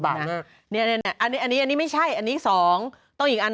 บังน่ะเนี้ยเนี้ยอันนี้อันนี้ไม่ใช่อันนี้สองต้องอีกอัน